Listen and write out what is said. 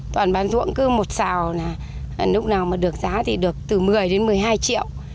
toàn bán thuốc cứ một sao lúc nào mà được giá thì được từ một mươi đến một mươi hai triệu